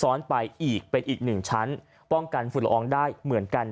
ซ้อนไปอีกเป็นอีกหนึ่งชั้นป้องกันฝุ่นละอองได้เหมือนกัน